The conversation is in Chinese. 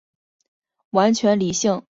完全理性的人是完全的个人主义者。